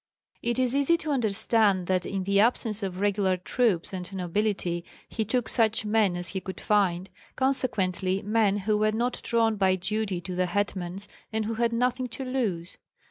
It is easy to understand that in the absence of regular troops and nobility he took such men as he could find, consequently men who were not drawn by duty to the hetmans and who had nothing to lose.